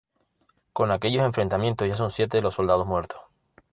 Con aquellos enfrentamientos ya son siete los soldados muertos.